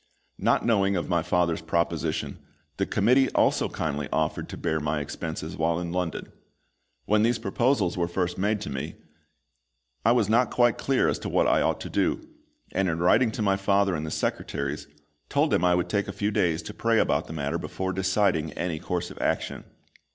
Not knowing of my father's proposition, the Committee also kindly offered to bear my expenses while in London. When these proposals were first made to me, I was not quite clear as to what I ought to do, and in writing to my father and the secretaries, told them that I would take a few days to pray about the matter before deciding any course of action.